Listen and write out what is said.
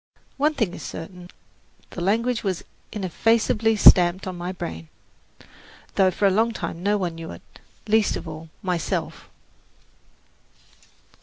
One thing is certain, the language was ineffaceably stamped upon my brain, though for a long time no one knew it, least of all myself.